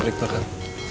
balik dulu kan